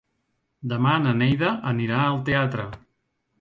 Demà na Neida anirà al teatre.